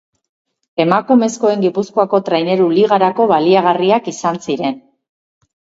Emakumezkoen Gipuzkoako Traineru Ligarako baliagarriak izan ziren.